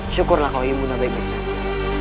syukurlah kau ibu nda baik baik saja